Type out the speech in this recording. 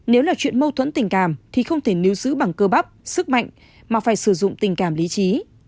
nếu là chuyện mâu thuẫn tình cảm thì không thể níu giữ bằng cơ bắp sức mạnh mà phải sử dụng tình cảm lý trí